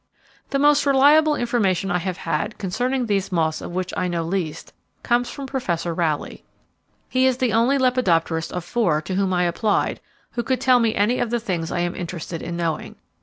The most reliable information I have had, concerning these moths of which I know least, comes from Professor Rowley. He is the only lepidopterist of four to whom I applied, who could tell me any of the things I am interested in knowing.